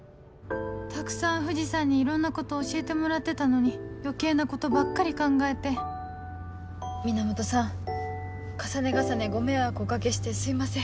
たくさん藤さんにいろんなこと教えてもらってたのに余計なことばっかり考えて源さん重ね重ねご迷惑お掛けしてすいません。